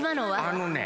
あのね